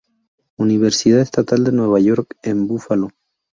Universidad Estatal de Nueva York en Búfalo.